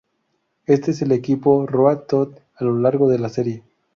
Este es el quinto "Road to" a lo largo de la serie.